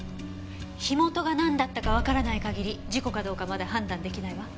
火元がなんだったかわからない限り事故かどうかまだ判断出来ないわ。